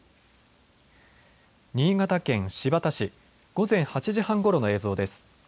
新潟県新発田市、午前８時半ごろの映像です。